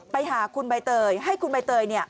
ไปหาคุณใบเตยให้คุณใบเตย